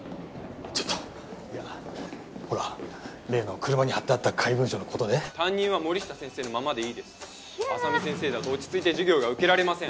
ちょっとほら例の車に貼ってあった怪文書のことで担任は森下先生のままでいいです浅見先生だと落ち着いて授業が受けられません・